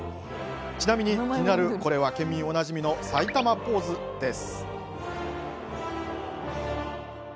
ちなみに、気になるこれは県民おなじみ埼玉ポーズです。